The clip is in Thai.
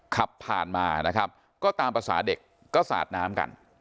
ขับผ่านมานะครับก็ตามภาษาเด็กก็สาดน้ำกัน